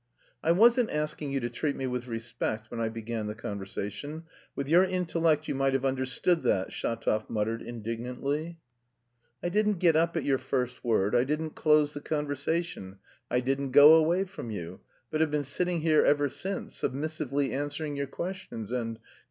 "I wasn't asking you to treat me with respect when I began the conversation. With your intellect you might have understood that," Shatov muttered indignantly. "I didn't get up at your first word, I didn't close the conversation, I didn't go away from you, but have been sitting here ever since submissively answering your questions and...